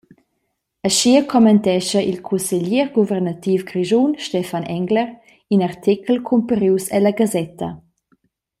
Aschia commentescha il cusseglier guvernativ grischun Stefan Engler in artechel cumparius ella gasetta.